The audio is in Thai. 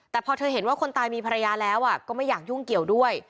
แต่พอเธอเห็นว่าคนตายมีภรรยาแล้วก็ไม่อยากยุ่งเกี่ยวด้วย